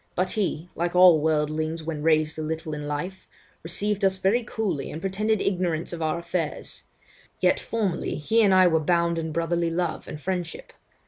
But he (like all worldlings when raised a little in life) received us very coolly, and pretended ignorance of our affairs; yet formerly, he and I were bound in brotherly love and friendship.